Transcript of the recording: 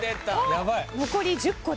残り１０個です。